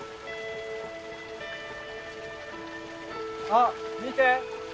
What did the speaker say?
あっ見て！